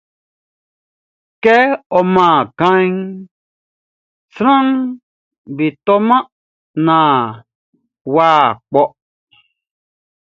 Kɛ ɔ man kanʼn, sranʼm be toman naan wʼa kplɔ.